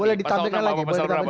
boleh ditampilkan lagi